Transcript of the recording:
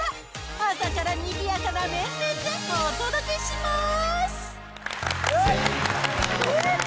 朝からにぎやかな面々でお届けしまーす！